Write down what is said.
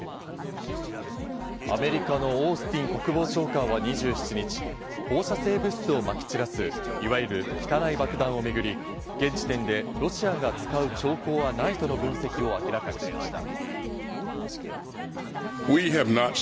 アメリカのオースティン国防長官は２７日、放射性物質を撒き散らす、いわゆる「汚い爆弾」をめぐり、現時点でロシアが使う兆候はないとの分析を明らかにしました。